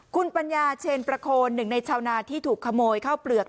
คุณปัญญาเชนประโคนหนึ่งในชาวนาที่ถูกขโมยข้าวเปลือก